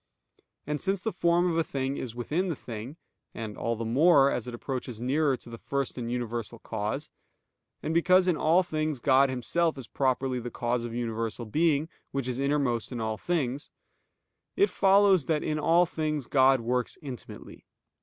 And since the form of a thing is within the thing, and all the more, as it approaches nearer to the First and Universal Cause; and because in all things God Himself is properly the cause of universal being which is innermost in all things; it follows that in all things God works intimately.